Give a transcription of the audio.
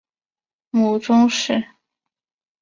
母仲氏。